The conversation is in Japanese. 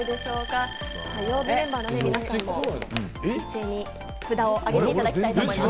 曜日メンバーの皆さんも、一斉に札を上げていただきたいと思います。